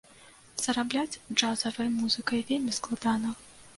Зарабляць джазавай музыкай вельмі складана.